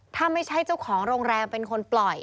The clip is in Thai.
ถ้าไม่ใช่เจ้าของโรงแรมเป็นคนปล่อย